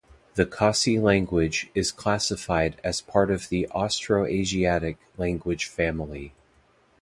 The Khasi language is classified as part of the Austroasiatic language family.